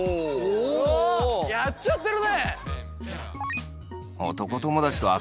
あやっちゃってるね。